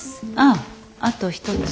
ああと一つ。